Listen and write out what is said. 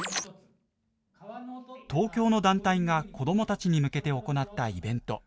東京の団体が子どもたちに向けて行ったイベント。